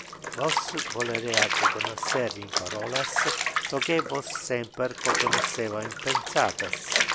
Vos volerea cognoscer in parolas lo que vos semper cognosceva in pensatas.